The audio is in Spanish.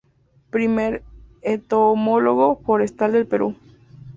Primer entomólogo forestal del Perú.